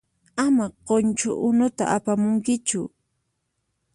Ama qunchu unuta apamunkichu.